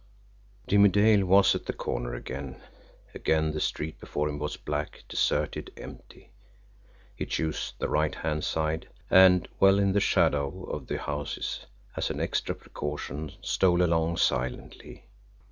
Jimmie Dale was at the corner again again the street before him was black, deserted, empty. He chose the right hand side, and, well in the shadow of the houses, as an extra precaution, stole along silently.